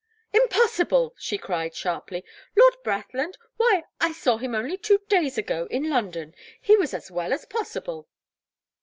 "Impossible!" she cried, sharply. "Lord Brathland? Why I saw him only two days ago, in London. He was as well as possible."